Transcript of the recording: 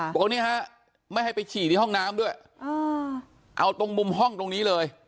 บอกว่านี่ฮะไม่ให้ไปฉี่ในห้องน้ำด้วยเอาตรงมุมห้องตรงนี้เลย